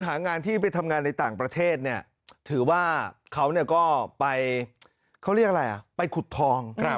หางานที่ไปทำงานในต่างประเทศถือว่าเขาก็ไปขุดทอง